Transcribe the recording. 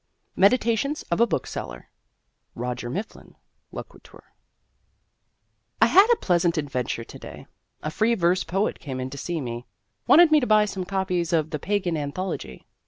MEDITATIONS OF A BOOKSELLER (Roger Mifflin loquitur) I had a pleasant adventure to day. A free verse poet came in to see me, wanted me to buy some copies of "The Pagan Anthology."